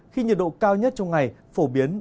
khi nhiệt độ cao nhất trong ngày phổ biến